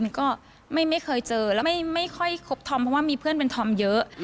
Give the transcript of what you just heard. ก็ไม่เคยเจอแล้วไม่ค่อยครบทอมเพราะว่ามีเพื่อนเป็นธอมเยอะ